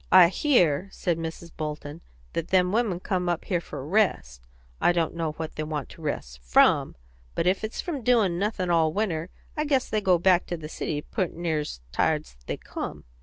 "I hear," said Mrs. Bolton, "that them women come up here for rest. I don't know what they want to rest from; but if it's from doin' nothin' all winter long, I guess they go back to the city poot' near's tired's they come."